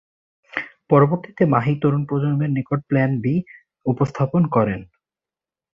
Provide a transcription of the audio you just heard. পরবর্তীতে মাহি তরুণ প্রজন্মের নিকট প্ল্যান বি উপস্থাপন করেন।